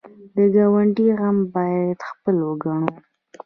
د ګاونډي غم باید خپل وګڼو